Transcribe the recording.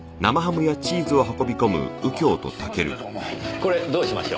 これどうしましょう？